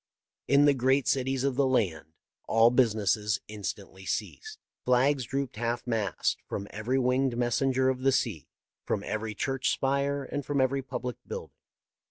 In the great cities of the land all busi ness instantly ceased. Flags drooped half mast from every winged messenger of the sea, from every church spire, and from every public building.